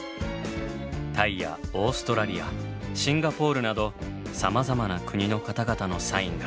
タイやオーストラリアシンガポールなどさまざまな国の方々のサインが。